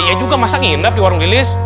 ya juga masa ngindap di warung lilis